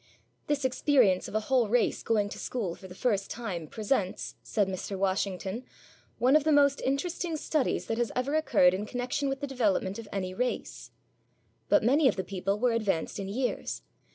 'This experience of a whole race going to school for the first time presents,' says Mr. Washington, 'one of the most interesting studies that has ever occurred in connexion with the development of any race.' But many of the people were advanced in years.